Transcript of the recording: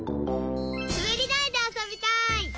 すべりだいであそびたい。